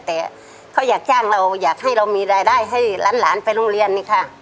แต่เขาอยากจ้างเราอยากให้เรามีรายได้ให้หลานไปโรงเรียนนี่ค่ะ